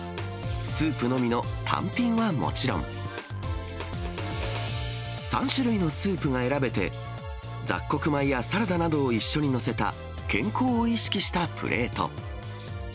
スープのみの単品はもちろん、３種類のスープが選べて、雑穀米やサラダなどを一緒に載せた、健康を意識したプレート。